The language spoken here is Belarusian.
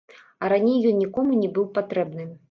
А раней ён нікому не быў патрэбны.